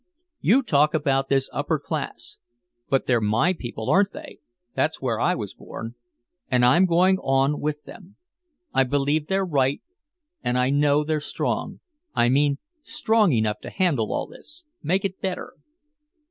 You talk about this upper class. But they're my people, aren't they, that's where I was born. And I'm going on with them. I believe they're right and I know they're strong I mean strong enough to handle all this make it better."